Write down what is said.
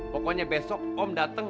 pokoknya besok om datang